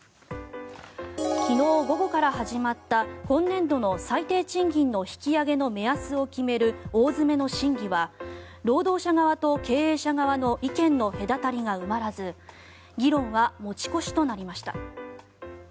昨日午後から始まった今年度の最低賃金の引き上げの目安を決める大詰めの審議は労働者側と経営者側の意見の隔たりが埋まらず議論は持ち越しとなりました。